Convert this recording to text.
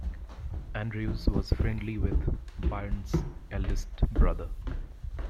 Andrews was friendly with Byrne's eldest brother.